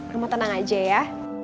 mama tenang aja ya